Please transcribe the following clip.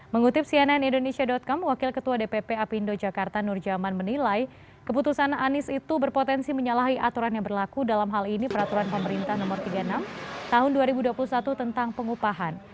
mengutip cnn indonesia com wakil ketua dpp apindo jakarta nur jaman menilai keputusan anies itu berpotensi menyalahi aturan yang berlaku dalam hal ini peraturan pemerintah no tiga puluh enam tahun dua ribu dua puluh satu tentang pengupahan